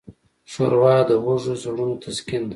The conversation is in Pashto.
ښوروا د وږو زړونو تسکین ده.